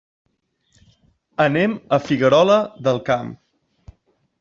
Anem a Figuerola del Camp.